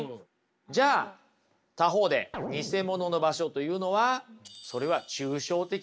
じゃあ他方でニセモノの場所というのはそれは抽象的な概念にすぎないんだと。